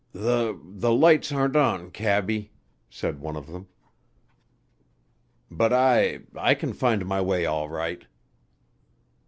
"The the lights aren't on, cabby," said one of them; "but I I can find my way all right."